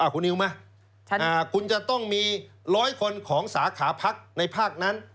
คุณนิวไหมคุณจะต้องมี๑๐๐คนของสาขาพักในภาคนั้น